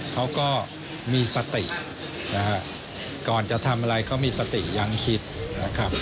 เขาก็มีสตินะฮะก่อนจะทำอะไรเขามีสติยังคิดนะครับ